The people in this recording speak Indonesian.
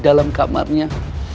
di dalam kamarnya